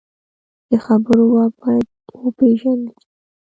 د خبرو واک باید وپېژندل شي